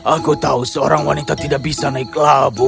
aku tahu seorang wanita tidak bisa naik labu